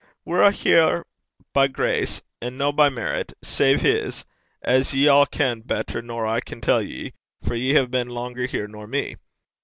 We're a' here by grace and no by merit, save his, as ye a' ken better nor I can tell ye, for ye hae been langer here nor me.